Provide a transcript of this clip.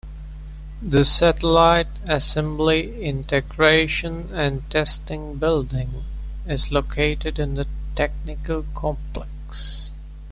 The Satellite Assembly Integration and Testing Building is located in the Technical Complex.